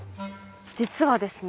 実はですね